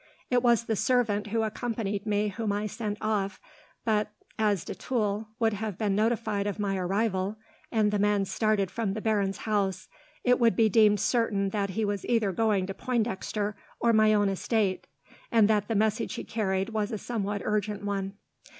It was the servant who accompanied me whom I sent off, but, as de Tulle would have been notified of my arrival, and the man started from the baron's house, it would be deemed certain that he was either going to Pointdexter or my own estate, and that the message he carried was a somewhat urgent one.